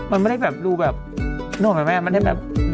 มันไม่ได้ดูแบบ